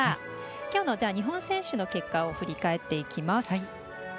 きょうの日本選手の結果を振り返っていきます。